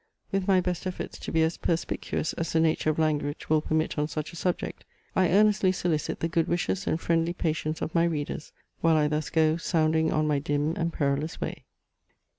With my best efforts to be as perspicuous as the nature of language will permit on such a subject, I earnestly solicit the good wishes and friendly patience of my readers, while I thus go "sounding on my dim and perilous way."